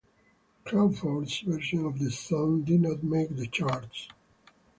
Crawford's version of the song did not make the charts.